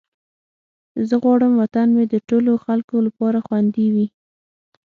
زه غواړم وطن مې د ټولو خلکو لپاره خوندي وي.